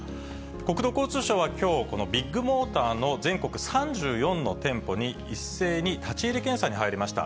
国土交通省はきょう、このビッグモーターの全国３４の店舗に、一斉に立ち入り検査に入りました。